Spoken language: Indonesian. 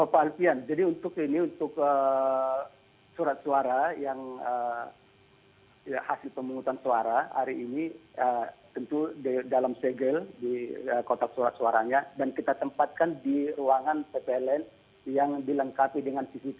pak alpian jadi untuk ini untuk surat suara yang hasil pemungutan suara hari ini tentu dalam segel di kotak surat suaranya dan kita tempatkan di ruangan ppln yang dilengkapi dengan cctv